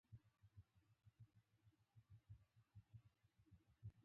ډېری وخت د بل بقا ممکنه کوي.